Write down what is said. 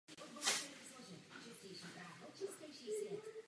Díky tomu jsou odolnější vůči suchu i dalším nepříznivým vlivům.